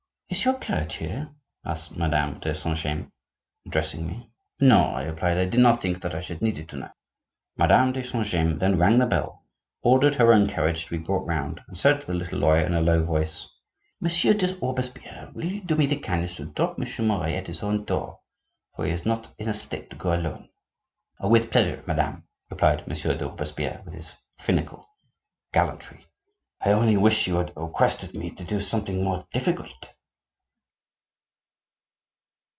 "Is your carriage here?" asked Madame de Saint James, addressing me. "No," I replied, "I did not think that I should need it to night." Madame de Saint James then rang the bell, ordered her own carriage to be brought round, and said to the little lawyer in a low voice:— "Monsieur de Robespierre, will you do me the kindness to drop Monsieur Marat at his own door?—for he is not in a state to go alone." "With pleasure, madame," replied Monsieur de Robespierre, with his finical gallantry. "I only wish you had requested me to do something more difficult."